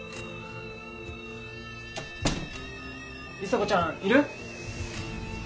里紗子ちゃんいる？